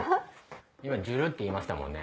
今「ジュル」って言いましたもんね。